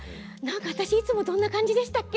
私いつもどんな感じでしたっけ？